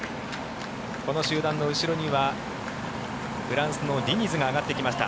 この集団の後ろにはフランスのディニズが上がってきました。